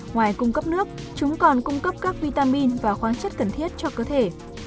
ngoài cung cấp nước chúng còn cung cấp các vitamin và khoáng chất cần thiết cho cơ thể